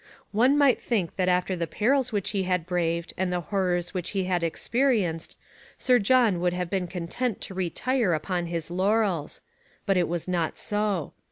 One might think that after the perils which he had braved and the horrors which he had experienced, Sir John would have been content to retire upon his laurels. But it was not so.